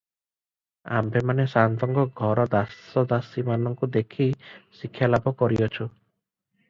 ଆମ୍ଭେମାନେ ସାଆନ୍ତଙ୍କ ଘର ଦାସ ଦାସୀ ମାନଙ୍କୁ ଦେଖି ଏହି ଶିକ୍ଷା ଲାଭ କରିଅଛୁଁ ।